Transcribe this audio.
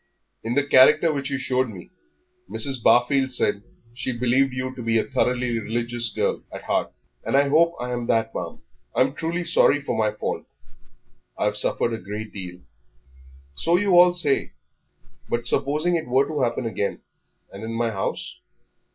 In the character which you showed me, Mrs. Barfield said that she believed you to be a thoroughly religious girl at heart." "And I hope I am that, ma'am. I'm truly sorry for my fault. I've suffered a great deal." "So you all say; but supposing it were to happen again, and in my house?